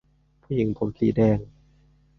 ผู้หญิงผมสีแดง